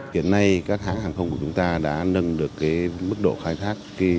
hiện nay các hãng hàng không của chúng ta đã nâng được mức độ khai thác